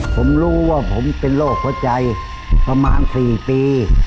ผมรู้ว่าผมเป็นโรคหัวใจประมาณ๔ปี